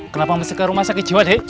kenapa mesti ke rumah sakit jiwa dek